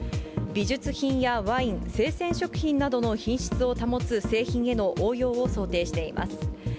美術品やワイン、生鮮食品などの品質を保つ製品への応用を想定しています。